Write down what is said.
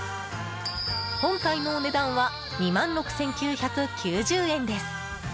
本体のお値段は２万６９９０円です。